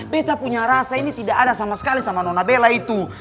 peta punya rasa ini tidak ada sama sekali sama nona bella itu